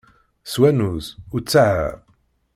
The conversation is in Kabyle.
S wannuz, u ṭṭaɛa.